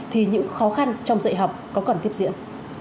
thì những khó khăn trong dạy học có còn tiếp diễn